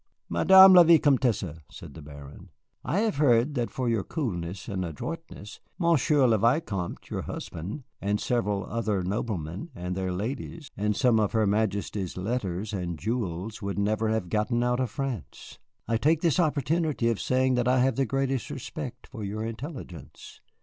"Madame la Vicomtesse," said the Baron, "I have heard that, but for your coolness and adroitness, Monsieur le Vicomte, your husband, and several other noblemen and their ladies and some of her Majesty's letters and jewels would never have gotten out of France. I take this opportunity of saying that I have the greatest respect for your intelligence.